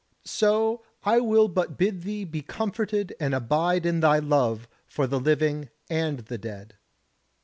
So I will but bid thee be comforted and abide in thy love for the living and the dead."